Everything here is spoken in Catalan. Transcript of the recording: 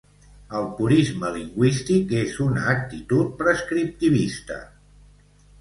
El purisme lingüístic és una actitud prescriptivista.